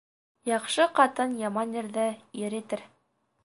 Яҡшы ҡатын яман ирҙе ир итер